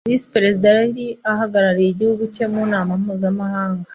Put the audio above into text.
Visi perezida yari ahagarariye igihugu cye mu nama mpuzamahanga.